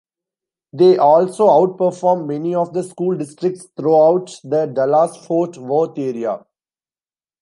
They also outperform many of the school districts throughout the Dallas-Fort Worth area.